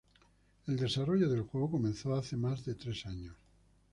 El desarrollo del juego comenzó hace más de tres años.